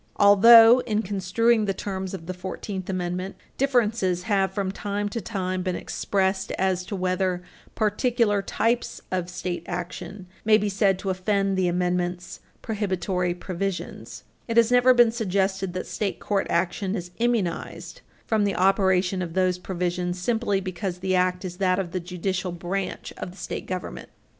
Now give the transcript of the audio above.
Although, in construing the terms of the Fourteenth Amendment, differences have from time to time been expressed as to whether particular types of state action may be said to offend the Amendment's prohibitory provisions, it has never been suggested that state court action is immunized from the operation of those provisions simply because the act is that of the judicial branch of the state government.